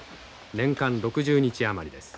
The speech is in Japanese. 年間６０日余りです。